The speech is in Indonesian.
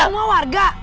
itu semua warga